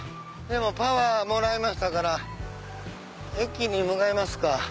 パワーもらいましたから駅に向かいますか。